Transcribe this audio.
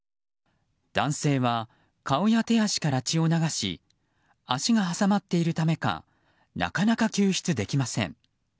男性は、顔や手足から血を流し足が挟まっているためかなかなか救出できません。